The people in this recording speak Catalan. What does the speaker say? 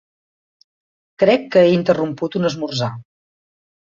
Crec que he interromput un esmorzar.